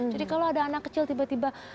jadi kalau ada anak kecil tiba tiba